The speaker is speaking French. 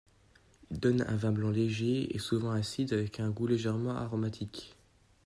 Il donne un vin blanc léger et souvent acide avec un goût légèrement aromatique.